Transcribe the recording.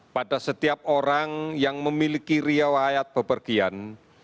pada setiap orang yang memiliki riwayat bepergian